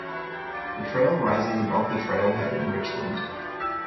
The trail rises above the trail head in Richland.